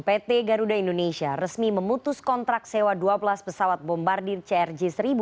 pt garuda indonesia resmi memutus kontrak sewa dua belas pesawat bombardir crj seribu